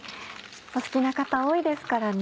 お好きな方多いですからね